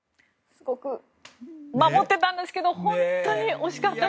守っていたんですけど本当に惜しかったです。